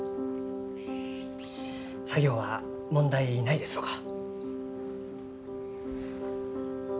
作業は問題ないですろうか？